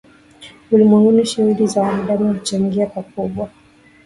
ulimwenguni shughuli za wanadamu huchangia pakubwa